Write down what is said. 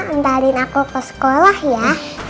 ngendalin aku ke sekolah ya